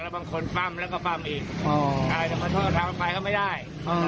แล้วบางคนปั้มเราก็ปั้มอีกทางบทไฟก็ไม่ได้